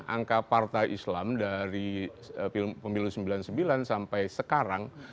angka partai islam dari pemilu seribu sembilan ratus sembilan puluh sembilan sampai sekarang